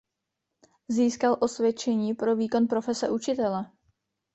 Získal osvědčení pro výkon profese učitele.